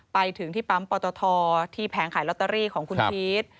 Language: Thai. ไปถึงที่ปั๊มปอตทที่แผงขายลอตเตอรี่ของคุณพีช